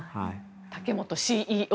竹本ＣＥＯ